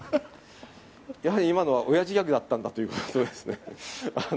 やはり今のはおやじギャグだったんだということをですね。